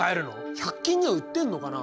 百均には売ってんのかな。